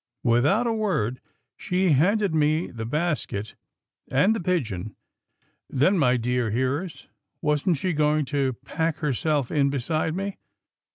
Without a word, she handed me the basket and the pigeon, then, my dear hearers, wasn't she going to pack herself in beside me?